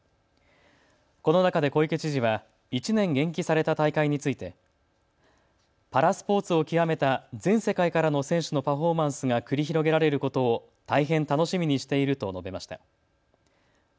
この中で小池知事は１年延期された大会についてパラスポーツを極めた全世界からの選手のパフォーマンスが繰り広げられることを大変楽しみにしていると述べました。